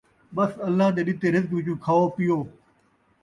ٻس اللہ دے ݙتے رزق وِچوں کھاؤ پِیؤ،